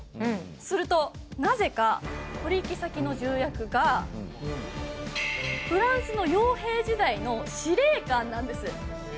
するとなぜか取引先の重役がフランスのよう兵時代の司令官なんです。